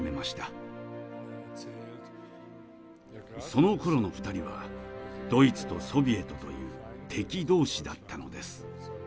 そのころの２人はドイツとソビエトという敵同士だったのです。